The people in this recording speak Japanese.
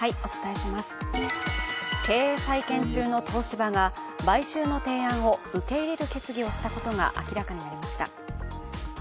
経営再建中の東芝が買収の提案を受け入れる決議をしたことが明らかになりました。